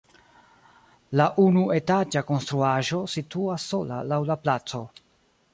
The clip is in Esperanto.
La unuetaĝa konstruaĵo situas sola laŭ la placo.